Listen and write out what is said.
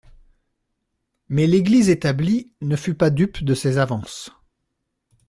Mais l'Église établie ne fut pas dupe de ces avances.